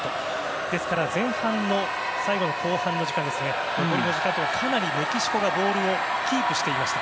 ですから前半の最後の、後半の時間はかなりメキシコがボールをキープしていました。